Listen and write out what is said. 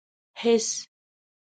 هېڅ.